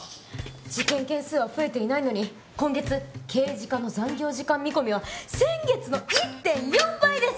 事件件数は増えていないのに今月刑事課の残業時間見込みは先月の１．４倍です。